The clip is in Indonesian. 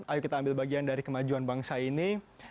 ayo kita ambil bagian dari kemajuan bangsa ini